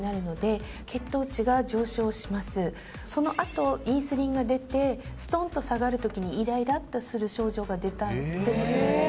その後インスリンが出てストンと下がるときにイライラっとする症状が出てしまいます。